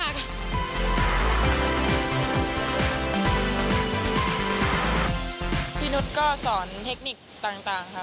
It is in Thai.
พี่นุฏก็สอนเทคนิคต่างค่ะ